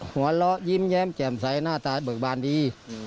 หัวเราะยิ้มแย้มแจ่มใสหน้าตาเบิกบานดี